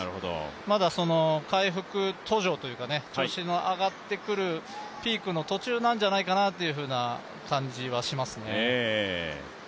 まだ回復途上というか、調子の上がってくるピークの途中なんじゃないかなという感じはしますね。